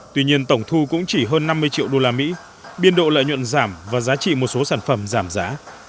tuy nhiên tổng thu cũng chỉ hơn năm mươi triệu đô la mỹ biên độ lợi nhuận giảm và giá trị một số sản phẩm giảm giá